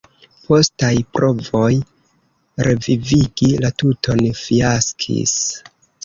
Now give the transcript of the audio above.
Postaj provoj revivigi la tuton fiaskis.